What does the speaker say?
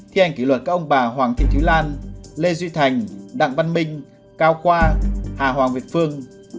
thi hành kỷ luật các ông bà hoàng thị thúy lan lê duy thành đặng văn minh cao khoa hà hoàng việt phương